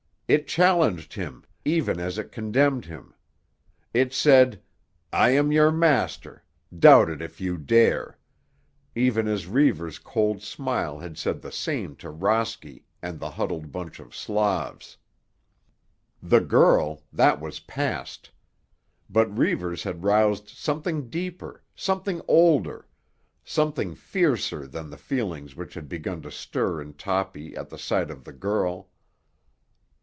It challenged him even as it contemned him. It said, "I am your master; doubt it if you dare"; even as Reivers' cold smile had said the same to Rosky and the huddled bunch of Slavs. The girl—that was past. But Reivers had roused something deeper, something older, something fiercer than the feelings which had begun to stir in Toppy at the sight of the girl.